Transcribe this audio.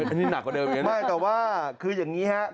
อันนี้หนักกว่าเดิม